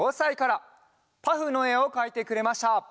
「パフ」のえをかいてくれました。